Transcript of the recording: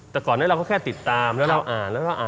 แต่ก่อนนั้นเราก็แค่ติดตามแล้วเราอ่านแล้วก็อ่าน